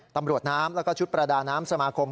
ตำรวจน้ำแล้วก็ชุดประดาน้ำสมาคม